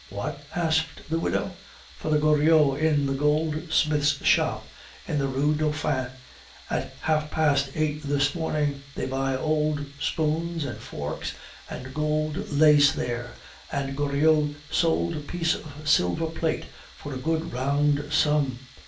"What?" asked the widow. "Father Goriot in the goldsmith's shop in the Rue Dauphine at half past eight this morning. They buy old spoons and forks and gold lace there, and Goriot sold a piece of silver plate for a good round sum.